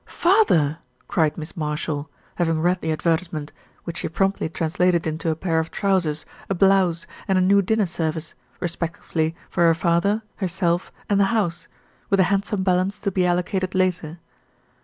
"Father!" cried Miss Marshall, having read the advertisement, which she promptly translated into a pair of trousers, a blouse, and a new dinner service, respectively for her father, herself, and the house, with a handsome balance to be allocated later.